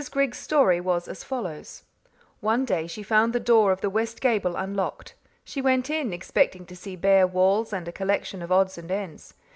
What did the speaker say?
Griggs's story was as follows: One day she found the door of the west gable unlocked. She went in, expecting to see bare walls and a collection of odds and ends.